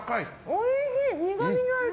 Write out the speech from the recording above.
おいしい！